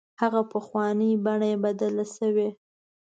هغه پخوانۍ بڼه یې بدله شوې.